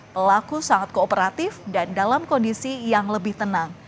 pelaku sangat kooperatif dan dalam kondisi yang lebih tenang